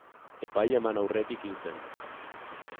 Epaia eman aurretik hil zen.